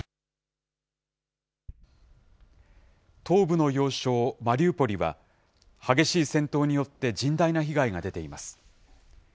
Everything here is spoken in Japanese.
東部の要衝マリウポリは、激しい戦闘によって甚大な被害が出ています。